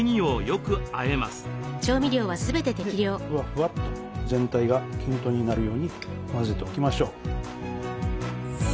ふわふわっと全体が均等になるように混ぜておきましょう。